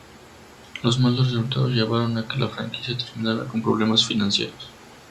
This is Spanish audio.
Los malos resultados llevaron a que la franquicia terminara con problemas financieros.